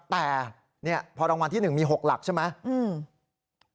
แต่พอรางวัลที่๑มี๖หลักใช่ไหม